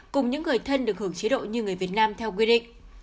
cùng những người thân được hưởng chế độ như người việt nam theo quy định